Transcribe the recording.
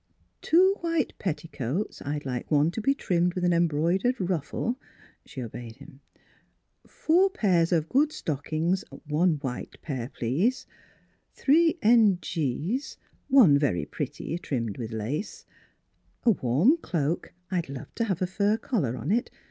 " Two white petticoats — I'd like one to be trimmed with an embroidered ruffle (she obeyed him). Four pairs of good stock ings — one pair white, please. Three M2SS Philura's Wedding Gown n. g.s — One very pretty, trimmed with lace. A warm cloak — I'd love to have a fur collar on it.